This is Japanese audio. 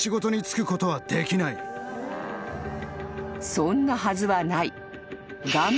［そんなはずはない］